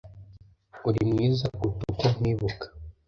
Urimwiza kuruta uko nkwibuka.